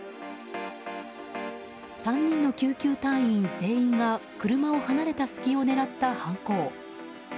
３人の救急隊員全員が車を離れた隙を狙った犯行。